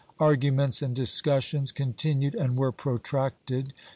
Arguments and discussions continued and were protracted.